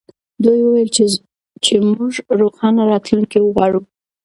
دوی وویل چې موږ روښانه راتلونکې غواړو.